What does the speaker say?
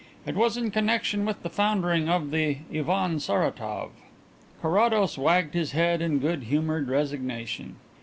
It was in connexion with the foundering of the Ivan Saratov." Carrados wagged his head in good humoured resignation.